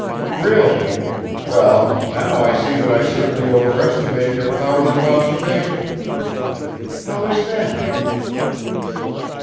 "Really? Well, now I see that I certainly overestimated your powers of observation." "How is that?"